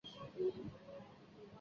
授刑部主事。